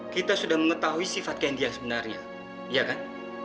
kita sudah mengetahui sifat candy yang sebenarnya ya kan